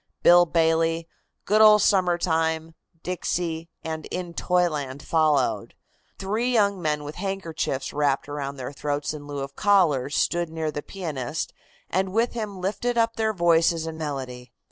"Bill Bailey," "Good Old Summer Time," "Dixie" and "In Toyland" followed. Three young men with handkerchiefs wrapped about their throats in lieu of collars stood near the pianist and with him lifted up their voices in melody.